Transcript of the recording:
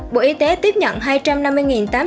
bộ y tế tiếp nhận hai trăm linh ca tử vong